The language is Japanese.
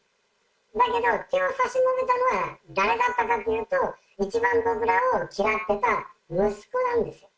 だけど、手を差し伸べたのは、誰だったかというと、一番僕らを嫌ってた息子なんですよ。